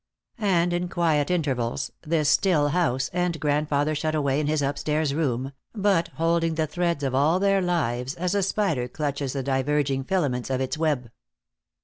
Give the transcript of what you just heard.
And, in quiet intervals, this still house, and grandfather shut away in his upstairs room, but holding the threads of all their lives as a spider clutches the diverging filaments of its web.